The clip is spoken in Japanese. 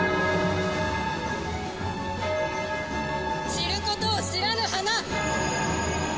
散ることを知らぬ花。